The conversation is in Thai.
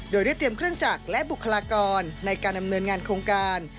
โดยได้เตรียมเครื่องจักรและบุคลากรในการดำเนินงานโครงการ